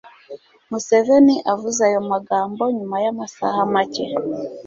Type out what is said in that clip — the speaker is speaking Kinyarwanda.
museveni avuze ayo magambo nyuma y'amasaha make